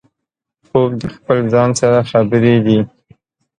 خوب د خپل ځان سره خبرې دي